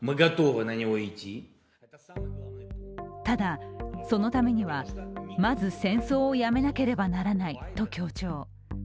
ただ、そのためにはまず戦争をやめなければならないと強調。